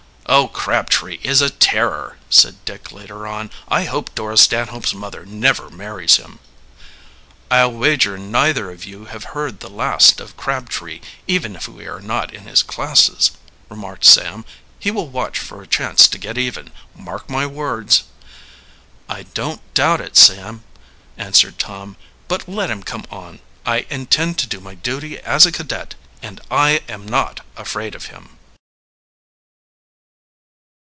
"Oh, Crabtree is a terror!" said Dick later on. "I hope Dora Stanhope's mother never marries him." "I'll wager neither of you have heard the last of Crabtree, even if we are not in his classes," remarked Sam. "He will watch for a chance to get even, mark my words." "I don't doubt it, Sam," answered Tom. "But let him come on. I intend to do my duty as a cadet, and I am not afraid of him."